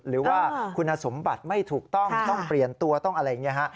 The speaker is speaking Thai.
หรือว่าคุณสมบัติไม่ถูกต้องต้องเปลี่ยนตัวต้องอะไรอย่างนี้ฮะ